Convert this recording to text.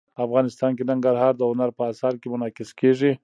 افغانستان کې ننګرهار د هنر په اثار کې منعکس کېږي.